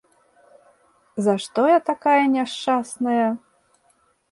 За што я такая няшчасная!